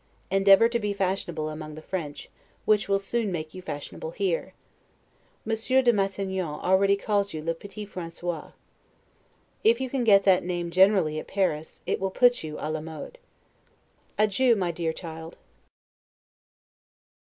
Endeavor to be fashionable among the French, which will soon make you fashionable here. Monsieur de Matignon already calls you 'le petit Francois'. If you can get that name generally at Paris, it will put you 'a la mode'. Adieu, my dear child.